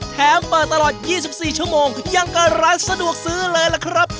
แถมเปิดตลอด๒๔ชั่วโมงยังกับร้านสะดวกซื้อเลยล่ะครับ